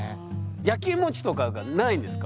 やきもちとかがないんですか？